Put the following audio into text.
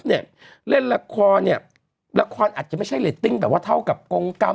เนี่ยเล่นละครเนี่ยละครอาจจะไม่ใช่เรตติ้งแบบว่าเท่ากับกงเก้า